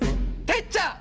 てっちゃん？